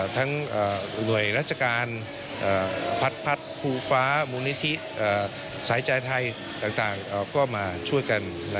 หน่วยราชการพัดภูฟ้ามูลนิธิสายใจไทยต่างก็มาช่วยกัน